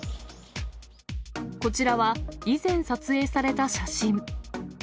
こちらは以前撮影された写真。